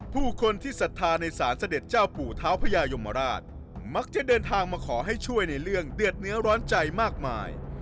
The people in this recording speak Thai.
ผู้คนที่ศรัทธาในศาลเสด็จเจ้าปู่เท้าพญายมราชมักจะเดินทางมาขอให้ช่วยในเรื่องเดือดเนื้อร้อนใจมากมาย